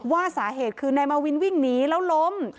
ว่าสาเหตุคือนายมาวินวิ่งหนีแล้วล้ม